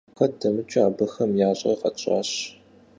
Kued demıç'ıu abıxem yaş'er khetş'aş.